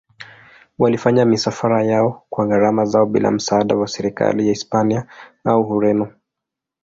Walifanya misafara yao kwa gharama zao bila msaada wa serikali ya Hispania au Ureno.